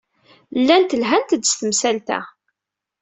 Llant lhant-d s temsalt-a.